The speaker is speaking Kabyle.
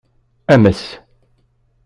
Ames.